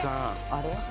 あれ？